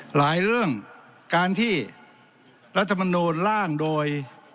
หลายเรื่องการที่รัฐมนูลล่างโดย